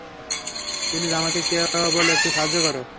Please, আমাকে কেবল একটু সাহায্য কর?